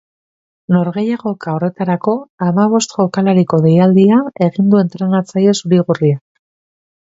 Norgehiagoka horretarako hamabost jokalariko deialdia egin du entrenatzaile zuri-gorriak.